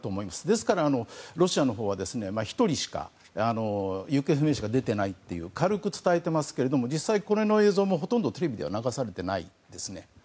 ですから、ロシアのほうは１人しか行方不明者が出ていないと軽く伝えていますけども実際これの映像もほとんどテレビでは流されてないですね。